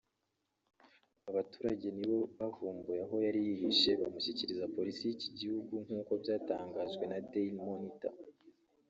Abaturage nibo bamuvumbuye aho yari yihishe bamushyikiriza polisi y’ iki gihugu nk’ uko byatangajwe na Dail monitor